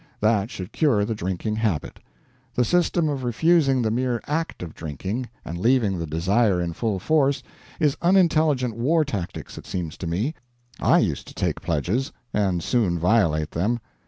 That should cure the drinking habit. The system of refusing the mere act of drinking, and leaving the desire in full force, is unintelligent war tactics, it seems to me. I used to take pledges and soon violate them.